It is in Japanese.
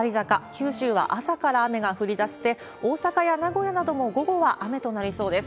九州は朝から雨が降りだして、大阪や名古屋なども午後は雨となりそうです。